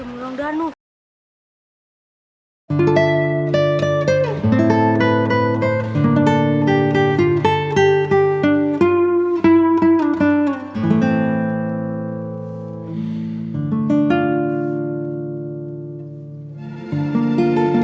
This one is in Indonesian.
ibu buat ikan